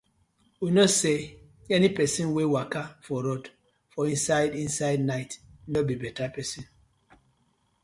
We kno say any pesin wey waka for road for inside inside night no bi beta pesin.